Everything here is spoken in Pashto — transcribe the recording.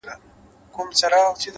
وخت د بېتوجهۍ تاوان هېڅکله نه بښي؛